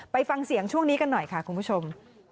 ไปฟังเสียงช่วงนี้กันหน่อยค่ะคุณผู้ชม